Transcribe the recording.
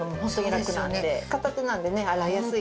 片手なんでね洗いやすいです。